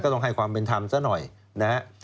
ต้องให้ความเป็นธรรมซะหน่อยนะฮะ